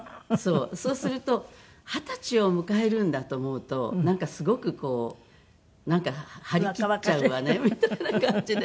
そうすると二十歳を迎えるんだと思うとなんかすごくこうなんか張り切っちゃうわねみたいな感じで。